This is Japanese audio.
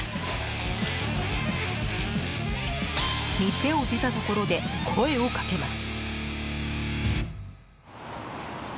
店を出たところで声を掛けます。